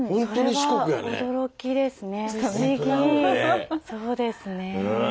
そうですね。